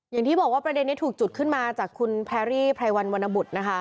อย่างที่บอกว่าประเด็นนี้ถูกจุดขึ้นมาจากคุณแพรรี่ไพรวันวรรณบุตรนะคะ